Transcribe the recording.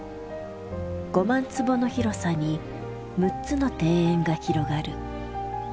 ５万坪の広さに６つの庭園が広がる。